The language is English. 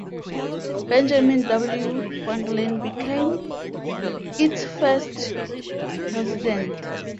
Benjamin W. Franklin became its first president.